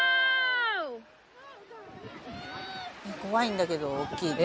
「怖いんだけど大きいと」